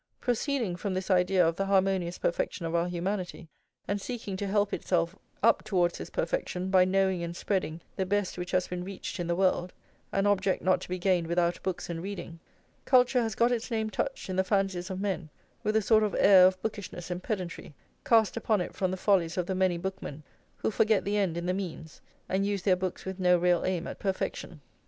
Proceeding from this idea of the harmonious perfection of our humanity, and seeking to help itself up towards this perfection by knowing and spreading the best which has been reached in the world an object not to be gained without books and reading culture has got its name touched, in the fancies of men, with a sort of air of bookishness and pedantry, cast upon it from the follies of the many bookmen who forget the end in the means, and use their books with no real aim at perfection.